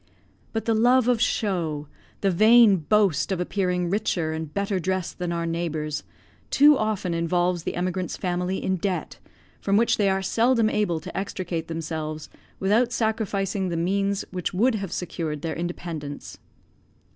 But the love of show, the vain boast of appearing richer and better dressed than our neighbours, too often involves the emigrant's family in debt, from which they are seldom able to extricate themselves without sacrificing the means which would have secured their independence.